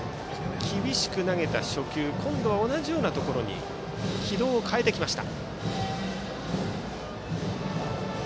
厳しく投げた初球と今度は同じようなところに軌道を変えてきました。